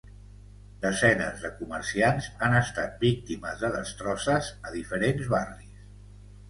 Desenes de comerciants han estat víctimes de destrosses a diferents barris.